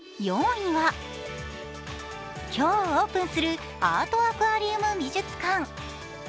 今日オープンするアートアクアリウム美術館。